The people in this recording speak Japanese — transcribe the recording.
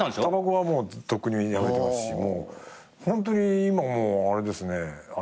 タバコはもうとっくにやめてますしホントに今もうあれですね。